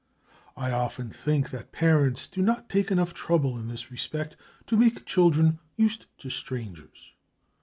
I often think that parents do not take enough trouble in this respect to make children used to strangers.